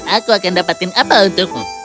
aku akan dapatin apa untukmu